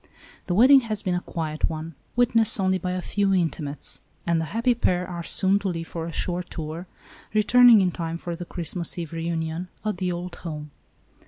The wedding has been a quiet one, witnessed only by a few inti mates, and the happy pair are soon to leave for a short tour, returning in time for the Christmas Eve reunion at the old home.